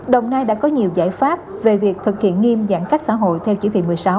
đồng nai đã có nhiều giải pháp về việc thực hiện nghiêm giãn cách xã hội theo chỉ thị một mươi sáu